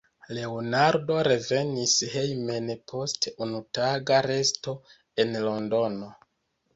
Leonardo revenis hejmen post unutaga resto en Londono.